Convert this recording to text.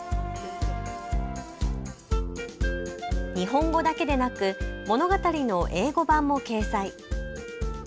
日本語だけでなく物語の英語版も掲載。